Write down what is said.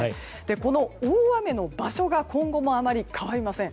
この大雨の場所が今後もあまり変わりません。